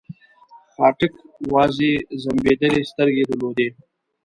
خاټک وازې ځمبېدلې سترګې درلودې.